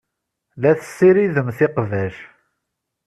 La tessiridemt iqbac.